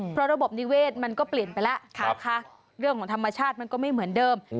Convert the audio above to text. เพราะระบบนิเวศมันก็เปลี่ยนไปแล้วนะคะเรื่องของธรรมชาติมันก็ไม่เหมือนเดิม